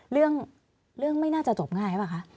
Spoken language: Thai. เรื่องเรื่องไม่น่าจะจบง่ายป่ะคะ